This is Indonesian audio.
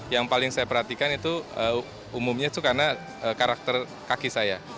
yang paling saya perhatikan itu umumnya itu karena karakter kaki saya